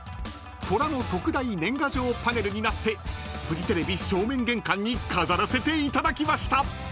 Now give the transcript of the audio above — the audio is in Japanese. ［トラの特大年賀状パネルになってフジテレビ正面玄関に飾らせていただきました］